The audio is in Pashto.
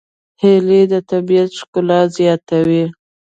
هیلۍ د طبیعت ښکلا زیاتوي